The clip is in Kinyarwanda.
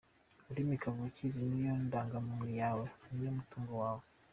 Ururimi kavukire niyo ndangamuntu yawe, niwo mutungo wawe.